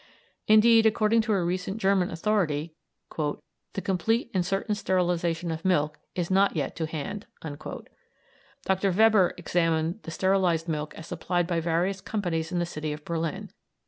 Indeed, according to a recent German authority, "the complete and certain sterilisation of milk is not yet to hand." Dr. Weber examined the sterilised milk as supplied by various companies in the city of Berlin.